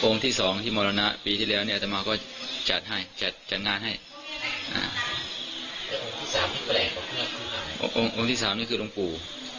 องค์ที่๓นี่คือรงค์ปู่